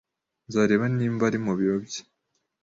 Nzareba niba ari mu biro bye.